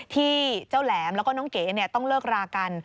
ที่เจ้าแหลมแล้วก็น้องเก๋ต้องเลิกรากัน